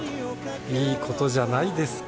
いい事じゃないですか。